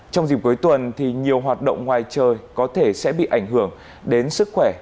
trong dịp cuối tuần thì nhiều hoạt động ngoài trời có thể sẽ bị ảnh hưởng đến sức khỏe